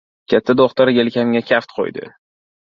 Katta do‘xtir yelkamga kaft qo‘ydi.